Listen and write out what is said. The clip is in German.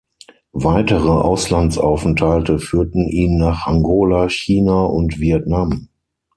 Weitere Auslandsaufenthalte führten ihn nach Angola, China und Vietnam.